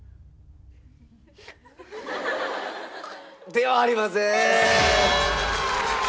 ではありません。